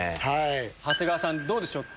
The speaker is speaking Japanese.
長谷川さんどうでしょう？